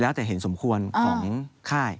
แล้วแต่เห็นสมควรของค่าย